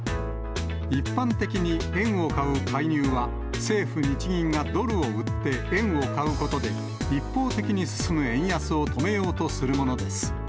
一般的に円を買う介入は、政府・日銀がドルを売って円を買うことで、一方的に進む円安を止めようとするものです。